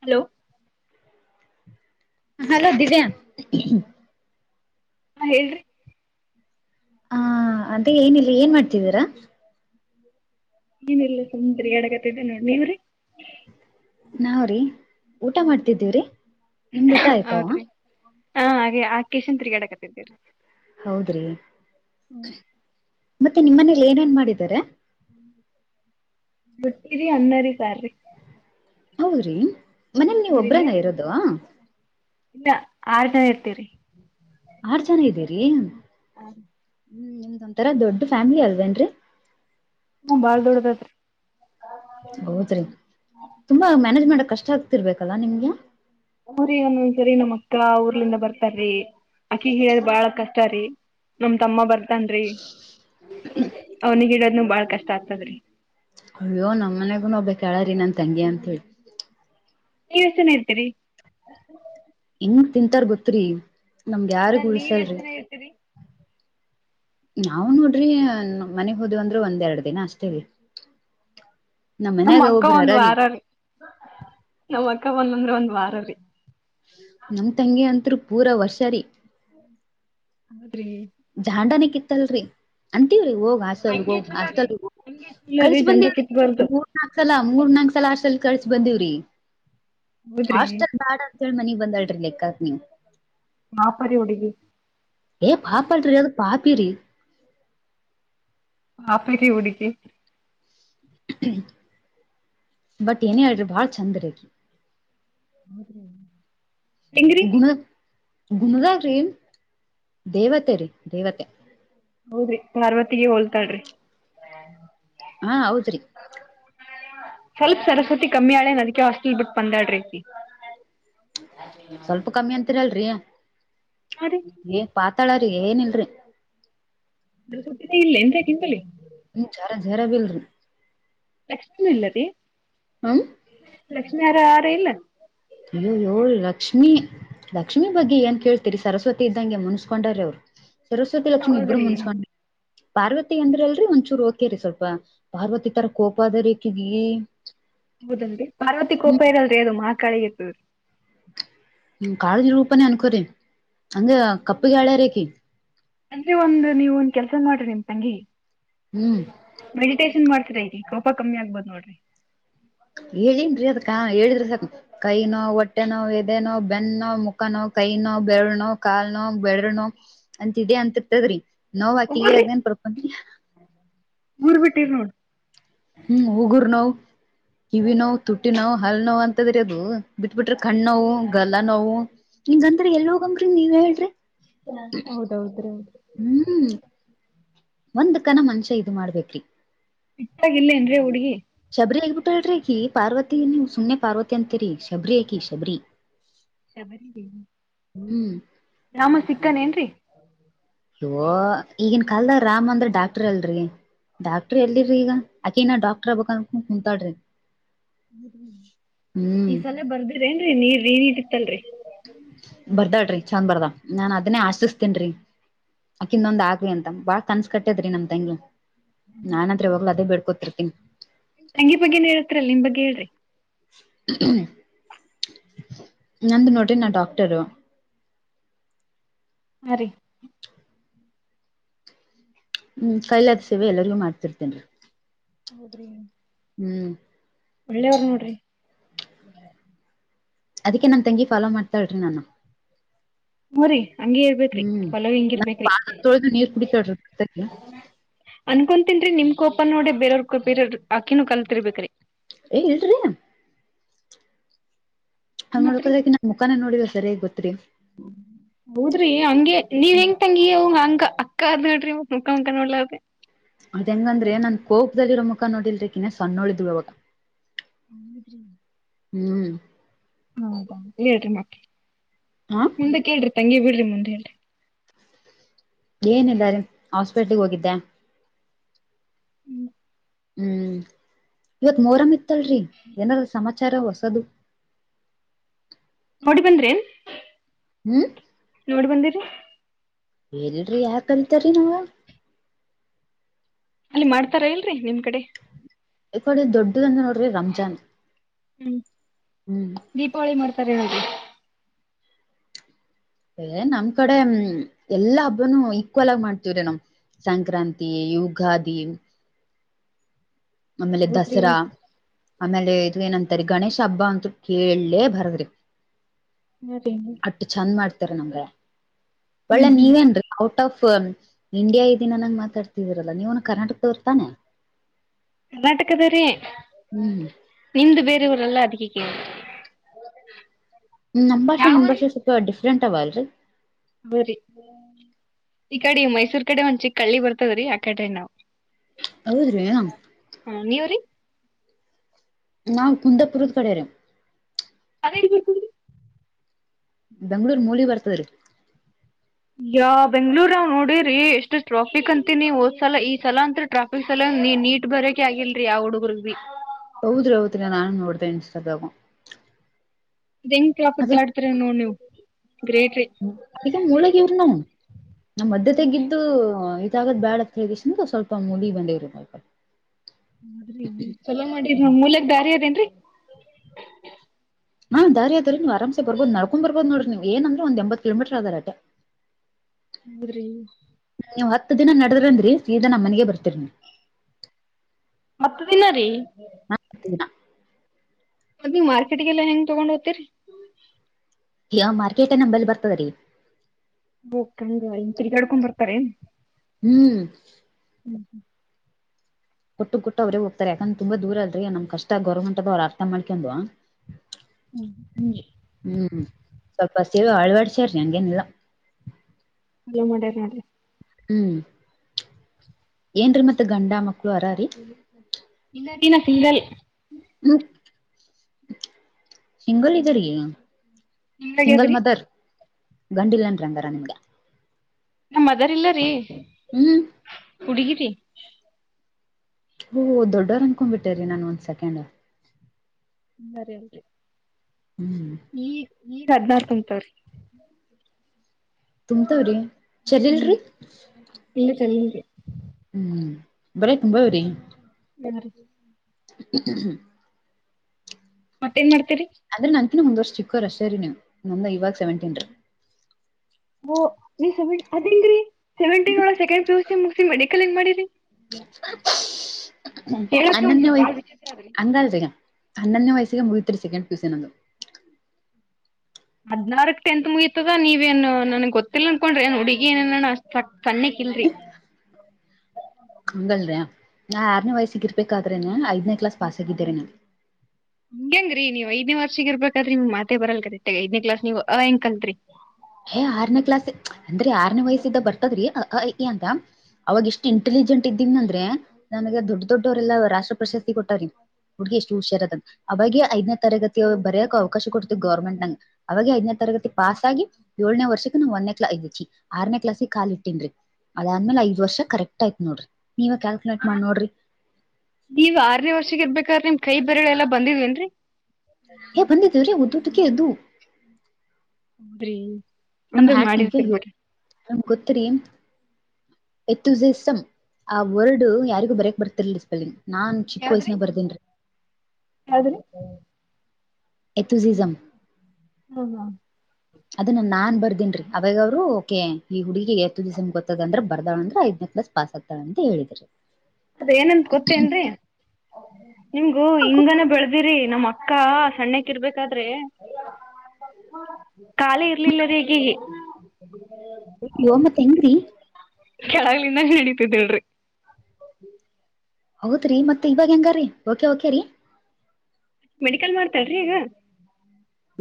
Hello.. [inaudible] [unintelligible] [inaudible] ಹಾ, ಹೇಳ್ರಿ? [unintelligible] ಹಾ, ಅದೇ, ಏನಿಲ್ಲ ಏನ್ ಮಾಡ್ತಿದ್ದೀರಾ? [inaudible] ನೀವು, ಹೇಳುಬೇಕುರಿ, ತಿರುಗಾಡಕಾರುತಿವಿರಿ, ನೀವುರಿ? [inaudible] ನಾವ್ರೀ, ಊಟ ಮಾಡ್ತಿದ್ದೀವ್ರಿ! ನಿಮ್ದ್ ಊಟ ಆಯ್ತಾವ? [unintelligible] ಹಾ, ಹಾಗೆ, ಆ. [unintelligible] ಹೌದ್ರಿ, ಮತ್ತೆ, ನಿಮ್ಮನೆ. [inaudible] ಏನೇನ್, ಮಾಡಿದ್ದಾರೆ? [inaudible] ಮುಟ್ಟಿರಿ, ಅನ್ನರಿ, ಅದುಕ್ಕೆ? [inaudible] ಹೌದ್ರಿ, ಮನೇಲಿ, ನೀವು ಒಬ್ರ, ನ ನೀವ್ರಿ ಇರೋದು. [inaudible] ಇಲ್ಲ, ಆರೂ, ಜನ, ಇರುತ್ತಿವಿರಿ. [inaudible] ಆರ್, ಜನ, ಇದ್ದೀರಿ? [inaudible] ಹ್ಮ.. [unintelligible] ಹ್ಮ್, ನಿಮ್ದು, ಒಂತರಾ ದೊಡ್ ಫ್ಯಾಮಿಲಿ ಅಲ್ವೇನ್ರರಿ? [inaudible] ಹ್ಮ, ಬಾಳ್ ದೊಡ್ಡದತ್ರಿ. [inaudible] ಹೌದ್ರಿ, ತುಂಬಾ ಮ್ಯಾನೇಜ್! ಮಾಡಕ್ ಕಷ್ಟ ಆಗ್ತಿರ್ಬೇಕಲ್ಲಾ, ನಿಮ್ಗೆ. [inaudible] ಊರಿ, ಒಂದೊಂದ್ಸರಿ, ನಮ್ಮ್ ಅಕ್ಕ ಊರ್ಲಿಂದ ಬರ್ತಾರೀ! ಅಕ್ಕಿ, ಹೇಳದ ಬಾಳ ಕಷ್ಟರೀ. [inaudible] ನಮ, ತಮ್ಮ ಬರ್ತನ್ರಿ! ಅವನಿಗಿಡೋದ್ನ ಬಾಳ ಕಷ್ಟ ಆಗ್ತದ್ರಿ? [inaudible] ಅಯ್ಯೋ, ನಮ್ಮ ಮನೆಗೂ,, ಹೋಗ್ಬೇಕಕ್ ಹೇಳ್ರೀ ನನ್ ತಂಗಿ ಅಂತ ಹೇಳಿ? [inaudible] ನೀವುಯೆಸ್ತುಧಿನಾರುತೀರಿ? [inaudible] ಕುಂತಾರು, ಗೊತ್ರಿ ನಮಗೆ ಅಲ್ಲ ಯಾರಿಗ್ ನೀವ್ ಎಷ್ಟ್ ಉಳ್ಸಲ್ರಿ. ಜನ [inaudible] ಇರ್ತೀರಿ ನಾವವು, ನೋಡ್ರಿ, ಮನೆಗ್ ಹೋದ್ ಅಂದ್ರು ಒಂದು, ಎರಡ್ ದಿನ ಅಸ್ತೇವಿ? [inaudible] ನಮ್ಮ್, ಅಕ್ಕ ಒಂದ್ ವಾರ ರೀ! ನಮ್ಮ ಅಕ್ಕ ಒಂದಂದ್ರೆ, ಒಂದ್. [inaudible] ವಾರರಿ? [inaudible] ನಮ್, ತಂಗಿ ಅಂತ್ರು, ಪೂರಾ ವರ್ಷ, ರೀ. [inaudible] ಹ್ಮ್. [inaudible] ಜಾಂಡನಕ್, ಇತ್ತಲ್ರಿ, ಅಂತೀವ. [inaudible] ಹೋಗ್, ಹಾಸ್ಟಲ್, ಹಂಗೆ ಹೋಗ್ ಚಲೋ ರೀ ಹಾಸ್ಟಲ್, ಹೋಗು, ಹಂಗೆ ಚಲೋ ರೀ ಜಂಡ ಕಲ್ಲಶಾಬಂಧಿಮಿರಿ, ಕಿತ್ಬಾರ್ದು ಮೂರು, ನಾಲ್ಕು, ಸಲ. [inaudible] ಮೂರ್, ನಾಲ್ಕು, ಸಲ, ಹಾಸ್ಟೆಲ್,, ಕಲಾಶು ಬಂದೀವ್ರಿ, ಹೌದ್ರಿ ಹಾಸ್ಟೆಲ್, ಬೇಡ, ಅಂತ ಹೇಳಿ! ಮನೆ. [inaudible] ಬಂದಲ್ರಿ, ಲೇಕಾಕ್ಕಿಣಿವು. [inaudible] ಮಾಪರಿ, ಹೋಗಿದಿರಿ. [inaudible] ಏ, ಪಪಲಾರಿ, ಪಾಪಿರಿ. [inaudible] ಹಪಲೀಕಿ, ವಾಡಿತಿ. [inaudible] ಬಟ್, ಏನೇ, ಹೇಳ್ರಿ! ಬಹಳ, ಚಂದ್ರಿ. [inaudible] [unintelligible] [inaudible] ಹೆಂಗ್ರಿ ಗುಣದು, ಗುನ್ನಾಧಾರಿ, ದೇವತೆ, ರೀ, ದೇವತೆ. [inaudible] ಹೌದ್ರಿ, ಪಾರ್ವತಿಗೆ, ಹೋಲ್ತಾಳ್ರಿ. [inaudible] ಹಾ, ಹೌದ್ರಿ! [inaudible] ಸ್ವಲ್ಪ, ಸರಸ್ವತಿ, ಕಮ್ಮಿ, ಆಳೆ ಅದಕ್ಕೆ ಹಾಸ್ಟೆಲ್, ಬಿಟ್ಟು, ಬಂದರುಳಿರಿ. [unintelligible] ಛೂ. [unintelligible] ಸ್ವಲ್ಪ, ಕಮ್ಮಿ ಅಂತಿರಲ್ರಿ? [inaudible] ಹಾ ರೀ ಏ, ಪಾತಾಳ್ರೀ, ಏನು, ಇಲ್ರಿ. [inaudible] ಅ, ಸುಟ್ಟಿನ ಇಲ್ಲ ಎಂದಕಂಬಲಿ. [inaudible] ಜರಬಲ್ ರಿ ತಕ್ಷ ಇಲ್ಲ ರಿ ಕೃಷ್ಣರ ಆರ ಇಲ್ಲ ಅಯ್ಯೋ ಯ್ಯೋ ಲಕ್ಷ್ಮಿ ಲಕ್ಷ್ಮಿ ಬಗ್ಗೆ ಏನ್ ಕೇಳ್ತೀರಿ ಸರಸ್ವತಿ ಇದ್ದಂಗೆ ಮುನ್ಸ್ಕೊಂಡ್ರ ಅವ್ರು ಸರಸ್ವತಿ ಲಕ್ಷ್ಮಿ ಇಬ್ಬರು ಹೌದ್ರಿ ಮುಂಸ್ಕಾಮಿ ಪಾರ್ವತಿ ಅಂದ್ರ ಅಲ್ರಿ ಒಂಚೂರು ಓಕೇರಿ ಸ್ವಲ್ಪ ಪಾರ್ವತಿ ತರ ಕೋಪ ಅದರಿ ಈಕೆಕೆ ಹೌದಲ್ರಿ ಪಾರ್ವತಿ ಕೊೋಪ್ಪ ಇರಲ್ರರಿ ಅದು ಮಹಾಕ್ [unintelligible] ಹ್ಮ ಕಾಳಜಿ ರೂಪಾನೇ ಅನ್ಕೋ್ರಿ ಅಂದ ಕಪ್ಪಗೆಾಳ್ಯ ರೇಕಿ ಅಂದ್ರೆ ಒಂದು್ ನೀವ ಒಂದ ಕೆಲ್ಸ ಮಾಡ್ರಿ ನಿಮ್ ತಂಗಿ ಹ್ಮ್ ಮೆಡಿಟೇೇಶನ್ ಮಾಡ ಕೊಪ ಕಮ್ಮಿ ಆಗ್ಬದ್ ನೋಡ್ರಿ ಹೇಳೇನ್ೀ ಅದ್ಕ ಹೇಳಿದ್ರಿ ಸಾಕ ಕೈ ನೋ ಹೊಟ್ಟೆ ನೋ್ ಎದೆನೋ ಬೆನ್ನ ನೋ ಮುಖನೋವು ಕೈ ನೋ ಬೆರ್ ನೋ ಕಾಲ್ ನೋ ಬೆರ್ ನೋ ಅಂತದೆ ಇದೆ ಅಂತತದ್ರಿ ಹೋಗ್ಬರ್ರಿ ನೋವಾಕಿಗೆ್ದನ್ ಪರಪಂದ ಊರ್ ಬಿಟ್ಟಿರ್ ನೋಡ್ ಹ್ಮ್ ಹುಗುರ್ ನೋವು ಕಿವಿ ನೋವು ತುಟ್ಟಿ ನೋವು ಹಲ್ ನೋವು ಅಂತದ್ರ ಅದು ಬಿಟ್ಬಿಟ್ರೆ ಕಣ್ಣ್ ನೋವು ಗಲ್ಲ ನೋವು ಇಂಗದ್ರೆ ಎಲ್ ಹೋಗಂಗ್ರಿ ನೀವ್ ಹೇಳ್ರಿ ಹೌದೌದ್ರಿ ಹೌದು ಹ್ಮ್ ಒಂದ್ ಕನ ಮನುಷ್ಯ ಇದು ಮಾಡ್ಬೇಕ್ರಿ ಇಟ್ಟಾಗಿಲ್ಲೇಏನ್ರೀ ಹುಡುಗಿ ಶಬರಿಬುಟಡ್ರಕಿ ಪಾರ್ವತಿಯಿನ ಸುಮ್ಮ್ನೆ ಪಾರ್ವತಿಯ ಅಂತರಿ ಶಬರಿಕಿ ಶಬರಿ ಹ್ಮ್ಮ್. ಶಬರಿ ನೀ ಹ್ಮ್ ನಮ್ಮ ಸಿಕ್ಕನ್ೇನ್ರಿ ಇ ಈಗನ್ ಕಲ್ದಾಗ ರಾಮ್ ಅಂದ್ರೆ ಡಾಕ್ಟರ್ ಅಲ್ರಿ ಡಾಕ್ಟ್ರ ಎಲ್ಲಿರಿ ಈಗ ಅಕೆಿನ ಡಾಕ್ಟರ್ ಆಗ್ಬಕ್ ಅನ್ಕೊಂಡ್ ಕುಂತಾಲ್ರಿ ಈ ಸಲ ಬರ್ದಿ್ರ ಏನ್ೀ ನೀರ್ ರೀ ನೀ ಇತ್ತನ್ರರಿ ಬರ್ದಾಡ್ರಿ ಚಂದ ಬರ್ದ ನಾನ್ ಅದನ್ನೇ ಆಶಿಸತೇನ್ರಿ ಅಕಿಿಂದೊಂದ್ ಆಗ್ವಿ ಅಂತ ಬಾಳ ಕನ್ಸ ಕಟ್ಟೇದ್ರಿ ನಮ್ ತಂಗಿ ನಾನ್ತ್ತ್ರ ಯಾವಾಗ್ಲೂ ಅದೇ ಬೇಡ್ಕೊತಿರ್ತೀನಿ ತಂಗಿ ಬಗ್ಗೆಏ ಹೇಳತ್ರಲ್ ನಿಮ್ ಬಗ್ಗೆ ಹೇಳ್ರಿ ನಂದು ನೋಡ್ರಿ ನ ಡಾಕ್ಟರು ಹ ರೀ ಹ್ಮ್ ಕೈಲಾದ ಸೇವೆ ಎಲ್ಲರಿಗೂ ಮಾಡ್ತಿರ್ತೇನ್ೀ ಹೌದ್ರೀ ಹ್ಮ್ ಒಳ್ಳೆಯವರು ನೋಡ್ರಿ ಅದಕ್ಕೆ ನನ್ ತಂಗಿ ಫಾಲೋ ಮಾಡ್ತಾಳ್ರಿ ನಾನು ಹೋರಿ ಹಂಗಗೆ ಇರ್ಬೇಕ್ರಿ ಹ್ಮ್ ಪಲ ಹಿಂಗ ನನ್ ಇರ್ಬೇಕ್ರಿ ಪಾದ ತೊಳ್ದು ನೀರ್ ಕುಡಿತಾಳ್ರಿ ತಗಿ [unintelligible] ಅನ್ಕೊ ನ್ರಿ ನಿಮ್ ಕೋಪ ನೋಡಿ ಬೇರವ್ರ [unintelligible] ಬೇರವ ಅಕಿನನು ಕಲ್ತಿರ್ಬೇಕ್ರಿ ಹೇ ಇಲ್ರಿ ಅಂಗ್ ಮತ್ರಿ ನೋಡಕೋದ್ರೆ ಇಕಿ ನನ್ನ ಮುಖಾನ ನೋಡಿಲ್ಲ ಸರಿಯಾಗಿ ಗೊತ್ರಿ ಹೌದ್ರಿ ಹಂಗೆ ನೀವ್ ಹ್ಮ್ ಹೆಂಗ ತಂಗಿ ಹಂಗ ಅ ಅಕ್ಕ ಅಕ್ಕರ್ ನೋಡ್ರಿ ಮತ್ ಮುಖಾ ಮುಖ ನೋಡ್ಲರ್ದೇ ಅದ ಹೆಂಗಂದ್ರೆ ನನ್ ಕೋಪದಲ್ಲಿರೋ ಮುಖ ನೋಡಿಲ್ರಿ ಕಿನ ಸಣ್ಣಳಿದ್ವ ಅವಾಗ ಹ್ಮ ಎ [unintelligible] ಹ್ಮ್ ಹೌದ ಹೇಳ್ರಿ ಮತ್ ಹಾ ಮುಂದೆ ಕೇಳ್ರಿ ತಂಗಿ ಬಿಡ್ರಿ ಮುಂದೆ ಹೇಳ್ರಿ ಏನಿಲ್ಲಾ ರೀ ಹಾಸ್ಪಿಟ್ಲೀಗ್ ಹೋಗಿದ್ದೆ ಹ್ಮ್ ಹ್ಮ್ ಇವತ್ ಮೋರಮ ಇತ್ತಲ್ರಿ ಏನಾರ ಸಮಾಚಾರ ಹೊಸದು [inaudible] ಡಿ ಬಂದ್ರೇನ್ ಹ್ಮ್ ಡಿ ಬಂದಿರಿ ಇಲ್ರೀ ಯಾಕ್ ಕಲಿತಾರೀ ನೀವು ಅಲ್ಲಿ ಮಾಡ್ತಾರ ಇಲ್ರಿ ನಿಮ್ ಕಡೆ ಇಕಡೆ ದೊಡ್ಡದಂದ್ರ ನೋಡ್ರಿ ರಂಜಾನ್ ಹ್ಮ್ ಹ್ಮ್ ದೀಪಾವಳಿ ಮಾಡ್ತಾರೆ ಹೇಳ್ರಿ ಏ ನಮ್ ಕಡೆ ಉಮ್ ಎಲ್ಲಾ ಹಬ್ಬನು ಈಕ್ವಲ್ ಆಗಿ ಮಾಡ್ತವ್ರಿ ನಮ್ ಸಂಕ್ರಾಂತಿ, ಯುಗಾದಿ ಆಮೇಲೆ ಹೌದ್ರಿ ದಸರಾ ಆಮೇಲೆ ಇದು ಏನಂತಾರೆ ಗಣೇಶ ಹಬ್ಬ ಅಂತ ಕೇಳ್ಲೇ ಬಾರದ್ರಿ ಹಾ ರೀ ಅಟ್ಟ ಚಂದ ಮಾಡ್ತಾರ ನಮ್ಗಡೆ ಒಳ್ಳೆ ನೀವೇನ್ರೀ ಔ ಟ್ ಆಫ್ ಇಂಡಿಯಾ ಇದೀನನ್ನಂಗ ಮಾತಾಡ್ತಿದೀರಲ್ಲ ನೀವೂನು ಕರ್ನಾಟಕದೋರ್ತಾನೆ ಕರ್ನಾಟಕದ ರೀ ನಿಮ್ದು ಬೇ ವ್ರಲ್ಲ ಅದಕೆ ಕೇಳ್ದೆ ನಮ್ ಭಾಷೆ ನಿಮ್ ಭಾಷೆ ಸ್ವಲ್ಪ ಡಿಫ್ರೆಂಟ್ ಅವಲ್ರೀ ಬರಿ ಈ ಕಡೆ ಮೈಸೂರ್ ಕಡೆ ಒಂದ್ ಚಿಕ್ಕಳ್ಳಿ ಬರ್ತದ್ರೀ ಅಕಡ್ರೀ ನಾವ್ ಹೌದ್ರಿ ಹ ನೀವ್ರಿ ನಾನ್ ಕುಂದಾಪುರದ ಕಡೇರಿ ಅದೆಲ್ ಬರ್ತದ್ರಿ ಬೆಂಗಳೂರು ಮೂಲೆ ಬರ್ತದ್ರಿ ಎ ಬೆಂಗಳೂರಾಗ್ ನೋಡಿರೀ ಎಷ್ಟು ಸ್ಟ್ರಾಫಿಕ್ ಅಂತಿನೀ ಓದ್ಸಲ ಈ ಸಲ ಅಂತ ಟ್ರಾಫಿಕ್ ಸಲಾ ನೀಟ್ ಬರ್ಯಾಕೆ ಆಗಿಲ್ರೀ ಯಾ ಹುಡುರ್ಗ್ ರೀ ಹೌದ್ರಿ ಹೌದ್ರಿ ನಾನು ನೋಡಿದೆ ಇನ್ಸ್ಟಾದಾಗ ಇದ್ ಹೆಂಗ್ ಟ್ರಾಫಿಕ್ ಅದು ದಾಟ್ತಿರಿ ನೋಡ್ ನೀವು ಗ್ರೇಟ್ ರೀ [unintelligible] ನಮ್ಮ ಮಧ್ಯದಾಗಿದ್ದೂ ಇದಾಗದ್ ಬ್ಯಾಡ ಅಂತ್ಹೇಳಿ ಕ್ಯಾಸಿಂದ ಸ್ವಲ್ಪ ಮೂಡಿಗ್ ಬಂದೇವ್ರೀ ಇವಾಗ ಹೌದ್ರಿ ಚುಲೋ ಮಾಡೀರ್ ಮೂಲ್ಯಾಗ್ ದಾರಿ ಅದೇನ್ರಿ ಹಾಂ ದಾರಿ ಅದ ರೀ ನೀವು ಅರಾಮ್ಸೇ ಬರಬಹುದು ನಡ್ಕೊಂಡ ಬರಬಹುದು ನೋಡ್ರಿ ನೀವ್ ಏನಂದ್ರ ಒಂದ ಎಂಬತ್ತು ಕಿಲೋಮೀಟರು ಅದರೀ ಅಟ್ಟೇ [unintelligible] ಹೌದ್ರೀ ದಿನ ನಡದ್ರಂದ್ರಿ ಸೀದಾ ನಮ್ ಮನಿಗೆ ಬರ್ತೀರಿ ನೀವು ಮತ್ತದಿನರೀ ದಿನ. ಮತ್ತ್ ನೀವ್ ಮಾರ್ಕೆಟ್ಗೆಲ್ಲಾ ಹೆಂಗ ತಗೊಂಡ್ ಹೋಗ್ತೀರಿ ಯಾ ಮಾರ್ಕೆಟ್ ನಂಬಲ್ಲಿ ಬರ್ತದ ರೀ ಓಕಂಗ ತಿರ್ಗಾಡ್ಕೊಂಡ್ ಬರ್ತಾರೇನ್ ಹ್ಮ್ [inaudible] ಕೊಟ್ಟು ಕೊಟ್ಟು ಅವ್ರೇ ಹೋಗ್ತಾರೆ ಯಾಕಂದ್ರೆ ತುಂಬಾ ದೂರಲ್ರಿ ನಮ್ ಕಷ್ಟ ಗೌರ್ಮಂಟ್ದವ್ರ ಅರ್ಥ ಮಾಡ್ಕೊಂಡ್ ಹ್ಮ ಹಂಗೆ ಹ್ಮ್ ಸ್ವಲ್ಪ ಸೇ ಅಳ್ವಡ್ಸ್ಯಾರಿ ಹಂಗೇನಿಲ್ಲ ಚಲೋ ಮಾಡ್ಯಾರ್ ನೋಡ್ರಿ ಹ್ಮ್ ಏನ್ರಿ ಮತ್ತೆ ಗಂಡ ಮಕ್ಳು ಅರಾರೀ ನಾನ್ ಇನ್ನ ಸಿಂಗಲ್ ಹ್ಮ ಸಿಂಗಲ್ ಇದೀರಿ ಸಿಂಗಲ್ ನಿಮ್ದಾಗ್ಯಾದ್ರಿ? ಮದರ್ ಗಂಡಲ್ನ್ರಿಂಗಾರ ನಿಮ್ಗೆ ನಮ್ಮ್ ಮದರ್ ಇಲ್ಲರಿ ಹ್ಮ್ ರೀ [inaudible] ಓ ದೊಡ್ಡವರ್ ಅನ್ಕೊಬಿಟ್ಟೇರಿ ನಾನ ಒಂದ್ ಸೆಕೆಂಡ್ ಬರೀ ಹ್ಮ್ ಈ ಈಗ ಹದ್ನಾರ ತುಂಬತಾವ್ರೀ ತುಂಬ್ತಾವ್ರಿ ಹ್ಮ್ ಚರ್ಲ್ರಿ ಇಲ್ಲ ಚಲೋರಿ ಹ್ಮ್ ಬೆರಿ ತುಂಬಾ ಬೆರಿರಿ [unintelligible] [unintelligible] ಮತ್ತೇಏನ್ ಮಾಡ್ತಾರೆ ಅಂದ್ರೆ ನಂತಿನ ಮುಂದ್ ವರ್ಷ ಚಿಕ್ಕೋರ್ ಅಷ್ಟೇರರಿ ನೀವು ನಮ್ದ ಇವಾಗ ಸೆವೆಂಟೀನ್ ಓ ಸೇವೆಟೀನ್ ರೀ ಅದ್ಹೇಗ್ರಿ ಸೇವೆಟೀನ್ ಒಳ್ಳಗೆ second P U C medical ಹೆಂಗ್ ಮಾಡಿರಿ ಹೇಳಕ್ಕೆ ಒಂದ್ ಹನ್ನೊಂಡನೆ ಸ್ವಲ್ಪ ಬಾಳ್ ವಿಚಿತ್ರ ಅದ್ರಿ. ಅಂದಾಜಿಗೆ ಹನ್ನೊನೇ ವಯಸ್ಸಿಗೆ ಮುಗತಿರಿ ಸೆಕೆಂಡ್ ಪಿ ಯು ಸಿ ನಂದು ಹದ್ನಾರಕ್ ಟೆಂತ್ ಮುಗಯತದ ನೀವೇನ್ ನನ್ಗ್ ಗೊತ್ತಿಲ್ಲ ಅನ್ಕೊಂಡ್ರೆನ್ ಹುಡುಗಿ ಏನ ಸಣ್ಣಿಕ್ ಇಲ್ರಿ [unintelligible] ಹಂಗಲ್ರೀ ನಾ ಆರನೇ ವಯಸ್ಸಿಗೆ ಇರ್ಬೇಕಾದ್ರೆ ನ ಐದನೇ ಕ್ಲಾಸ್ ಪಾಸ್ ಆಗಿದ್ದೇರ ನಾ ಹಂಗ್ರೀ ಎಂಗ್ರಿ ನೀವು ಐದನೇ ವರ್ಷ ಇರ್ಬೇಕಾದ್ರೀ ನಿಮ್ ಮಾತೆ ಬರಲ್ಲ ಕರೆಕ್ಟಗ ಐದನೇ ಕ್ಲಾಸ್ ನೀವು ಅವಾಗ ಎಂಗ್ ಕಲಿತ್ರಿ ಏ ಆರ್ನೇ ಕ್ಲಾಸ್ ಅಂದ್ರೆ ಆರನೇ ವಯಸ್ಸಿದ್ದ ಬರ್ತದ್ರಿಂತ ಅವಾಗ ಇಷ್ಟು ಇಂಟೆಲಿಜೆಂಟ್ ಇದೀವ್ ಅಂದ್ರೆ ನನಗೆ ದೊಡ್ ದೊಡ್ಡವರೆಲ್ಲಾ ರಾಷ್ಟ್ರ ಪ್ರಶಸ್ತಿ ಕೊಟ್ಟಾರ ಹುಡ್ಗ ಎಷ್ಟು ಹುಷಾರದ ಅವಾಗ ದನೇ ತರಗತಿ ಬರಯಕಕ್ ಅವಕಶ ಕೊತತಿ ಗವರ್ಮೆಂಟ್ ನಂಗ್ ಅವಾಗ ಐದನೇ ತರಗತಿ ಪಾಸ್ ಆಗಿ ಏಳ್ನೇ ವರ್ಷಕ್ಕೆ ನಾವು ಒಂದನೇ ಕ್ಲಾಸ್ ಇದಿ ಆರನೇ ಕ್ಲಾಸ್ಿಗೆ ಕಾಲಿ ಇಟ್ಟೇನ್ೀ ಅದಾದ್ಮೇಲೆ ಐದ ವರ್ಷ ಕರೆಕ್ಟ್ ಆಯ್ತ್ ನೋಡ್ರಿ ನೀವೇ ಕ್ಯಾಲ್ಕುಲೇಟ್ ಹ ಮಾಡಿ ನೋಡ್ರಿ ನೀವ್ ಆರನೇ ವರ್ಷಗೆ ಇರ್ಬೇಕಾರ್ರ ನಿ ಕೈ ಬೆರಳ ಎಲ್ಲಾ ಬಂದಿದ್ವೇನ್ರರಿ ಏ ಬಂದಿದ್ದೇವ್ರೀ ಉದ್ದದಕ್ಕೆ ಎದ್ದು ಅ್ರಿ ನಮ್ ಹ್ಯಾ ಈಗ ಯೋಗ ನಮ್ ಗೊತ್ತರಿ ಎತ್ತುಸಿ ಇಸ್ಮ್ ಆ ವರ್ಡ್ ಯಾರಿಗೂ ಬರಕ್ ಬರ್ತಿರ್ಲಪಲ್ಲಿ ನಾನ್ ಚಿಕ್ಕ ವಯಸ್ಸನಾಗ ಬರ್ದೇನ್ ಹೌದ್ರಿ ಎತುಸಿಸಮ ಹ ಅದನ್ನ ನಾನ್ ಬರ್ದೇನ್ೀ ಅವಾಗ ಅವ್ರು ಓಕೆ ಈ ಹುಡುಗ ಎತ್ತು ದಿವಸ ಗೊತ್ತದ ಅಂದ್ರೆ ಬರ್ದವಳ ಅಂದ್ರ ಆಯ್ನೆ ಪ್ಲಸ್ ಪಾಸ್ ಆಗ್ತಾಳ ಅಂತ ಹೇಳಿದಿದ್ದಾರೆ ಅದ ಏನಂತ ಗೊತ್ತೇನ್ರಿ ನಿಮ್ಗೂ ಹಿಂಗಾನ ಬೆಳದಿರಿ ನಮ್ಮ್ ಅಕ್ಕ ಸಣ್ಣಕ್ ಇರ್ಬೇಕಾದ್ರೆ ಕಾಲ ಇರ್ಲಿಲ್ಲ ರ ಹೇಗ ಒ ಮತ್ ಹೆಂಗ್ರೀ ಕೆಳಗ್ಲಿಂದ ನಡೀಿತಿದ್ದಿಲ್ರರಿ ಹೌದ್ರಿ ಮತ್ತತ್ ಇವಾಗ ಹೆಂಗ್ರರಿ ಓಕೆ ಓಕೆ ರರಿ ಮೆಡಿಕಲ್ ಮಾಡ್ತಾಳ್ರೀ ಈಗ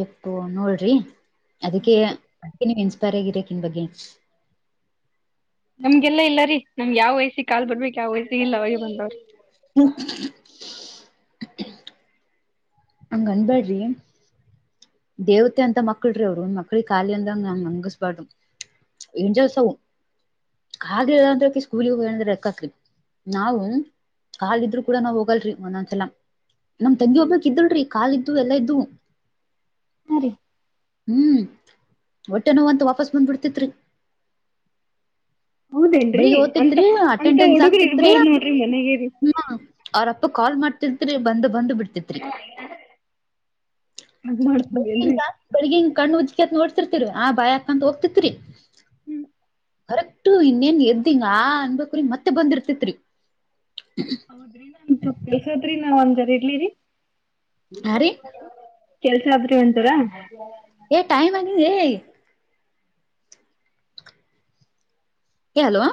ಇಕು ನೋಡ್ರಿ ಅದಕ್ಕೆ ಅದಕ್ಕೆ ನೀವು ಇನ್ಸ್ಪ ತರಗಿರಕಿನ್ ಬಗೆ ನಮ್ಗೆಲ್ಲ ಇಲ್ಲ ರೀ ನಮ್ಗೆ ಯಾವ ವಯಸಿ ಕಾಲ್ ಬರ್ಬೇಕಕ್ ಯಾವ ವಯಸ್ಸ ಇಲ್ಲ ಅವಾಗೆ ಬಂದವ್ರಿ ನ ಹಂಗ ಅನ್ಬ್ಯಾಡ್ರಿ ದೇವತೆ ಅಂತ ಮಕ್ಳ ರೀ ಅವ್ರು ಮಕ್ಳಿಗೆ ಖಾಲಿ ಅಂದಂಗ ನಮ್ ಹಂಗಸ್ಬಾರ್ದು ಎಂಜಸ ಹ ಹಾಗಂದ್ರ ಸ್ಕೂಲ ಹೋಗಿರೆ ಎಕ್ಕಾಕ್ಲಿ ನಾವವು ಕಲ್ ಇದ್ರು ಕೂಡ ನಾವ್ ಹೋಗಲ್ರಿ ಒಂದೊಂದ್ಸಲ ನಮ್ ತಂಗಿ ಹೋಗ್ಬಕ್ ಇದಲ್ ಕಾಲ್ದು ಎಲ್ಲಾ ಇದ್ವು ಹಾ ರೀ ಹ್ಮ್ ಹೊಟ್ಟೆ ನೋ ಅಂತ ವಾಪಸ್ ಬಂದ್ ಬಿಡ್ತಿತ್ರಿ ಹೌದೇನ್ರಿ ಬೆಳಿಗ್ ಅಂತ ಓದ್ತಿದ್ರಿ ಅಂತ ಅಟೆಂಡನ್ಸ್ ಹುಡುಗ್ರು ಆಗ್ತಿತ್ರಿ ಇರ್ಬಾರ್ದ್ ನೋಡ್ರಿ ಮನೆಗೆ ರೀ. ಹ ಅವ್ರ ಕಾಲ್ ಮಾಡ್ತಿತ್ರಿ ಬಂದ್ ಬಂದ್ ಬಿಡ್ತತ್ರಿ ಹಂಗ್ ಮಾಡ್ತಂದೇನ್ರಿ ಬೆಳಗ್ಗೆ ಕಣ್ಣು ಉತ್ಕತ್ ನೋಡ್ ರ್ತಿರಿ ಆ ಬಾಯ ಹಾಕಂತ ಹೋಗ್ತಿತ್ರಿ ಕರೆಕ್ಟು ಇನ್ನೇನ್ ಎದ್ದಿಂಗ ಅನ್ಬೇಕ್ರ ಮತ್ತೆ ಬಂದಿರ್ತಿತ್ರಿ ಹೌದ್ರಿ [inaudible] ನಾವ್ ಒಂದ್ ಜರ ಇಡ್ಲಿರಿ ಆ ರೀ ಕೆಲಸ ಆದರಿ [inaudible] ಏ ಟೈಮ್ ಆಗಿದೆ ಹೆಲೋ